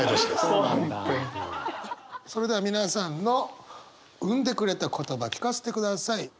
それでは皆さんの生んでくれた言葉聞かせてください。